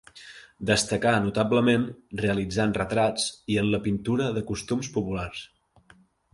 Destacà notablement realitzant retrats i en la pintura de costums populars.